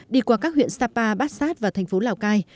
đi qua các huyện sapa bát sát và thành phố lào cai